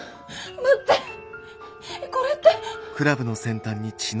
待ってえこれって。